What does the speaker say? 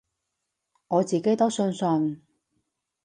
我自己都相信